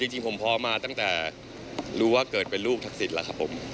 จริงผมพอมาตั้งแต่รู้ว่าเกิดเป็นลูกทักษิณแล้วครับผม